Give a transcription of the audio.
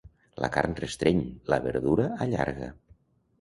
La carn restreny; la verdura allarga.